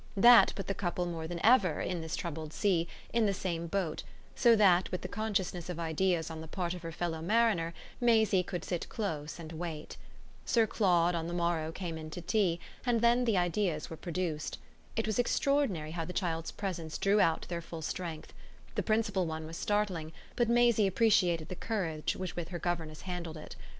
That put the couple more than ever, in this troubled sea, in the same boat, so that with the consciousness of ideas on the part of her fellow mariner Maisie could sit close and wait. Sir Claude on the morrow came in to tea, and then the ideas were produced. It was extraordinary how the child's presence drew out their full strength. The principal one was startling, but Maisie appreciated the courage with which her governess handled it.